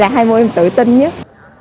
đây là hai môi em tự tin nhất